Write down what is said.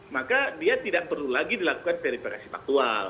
maka dia tidak perlu lagi dilakukan verifikasi faktual